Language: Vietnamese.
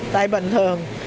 tại bình thường